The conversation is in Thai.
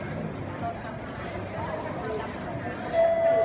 พี่แม่ที่เว้นได้รับความรู้สึกมากกว่า